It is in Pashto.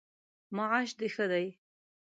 معاش د ښه دی؟